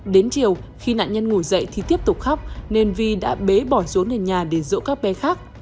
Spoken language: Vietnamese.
đến chiều khi nạn nhân ngủ dậy thì tiếp tục khóc nên vi đã bế bỏ xuống nền nhà để rỗ các bé khác